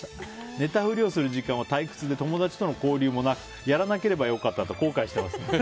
寝たふりをする時間は退屈で友達との交流もなくやらなければよかったと後悔しています。